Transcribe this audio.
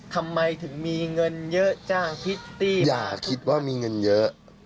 ทำไมถึงมีเงินเยอะจ้างคิตตี้อย่าคิดว่ามีเงินเยอะ